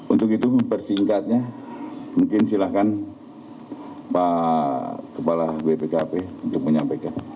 untuk itu mempersingkatnya mungkin silahkan pak kepala bpkp untuk menyampaikan